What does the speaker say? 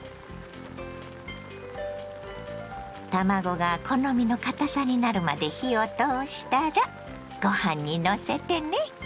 卵が好みの堅さになるまで火を通したらごはんにのせてね。